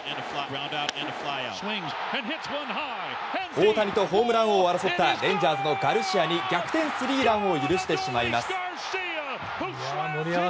大谷とホームラン王を争ったレンジャーズのガルシアに逆転スリーランを許してしまいます。